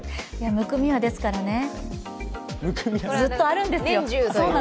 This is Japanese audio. むくみは、ですから、ずっとあるんですよ。